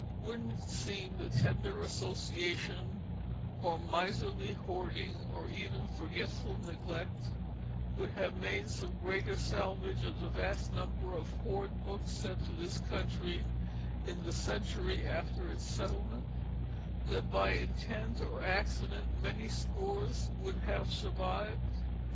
Wouldn't it seem that tender association, or miserly hoarding, or even forgetful neglect would have made some greater salvage from the vast number of hornbooks sent to this country in the century after its settlement; that by intent or accident many scores would have survived?